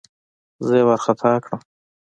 زه يې وارخطا کړم.